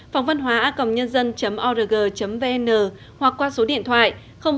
phongvănhoacomnn org vn hoặc qua số điện thoại hai trăm bốn mươi ba hai trăm sáu mươi sáu chín nghìn năm trăm linh tám